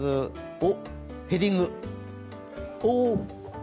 おっ、ヘディング！